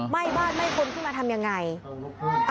ไหม้บ้านไหม้คนขึ้นมาทำยังไง